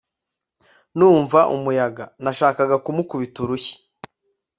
numva umuyaga, nashakaga kumukubita urushyi.